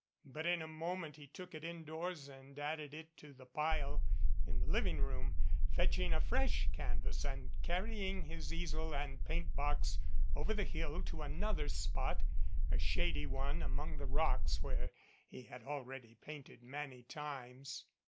But in a moment he took it indoors and added it to the pile in the living room, fetching a fresh canvas and carrying his easel and paint box over the hill to another spot, a shady one among the rocks where he had already painted many times.